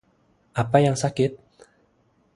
Apa ada yang sakit?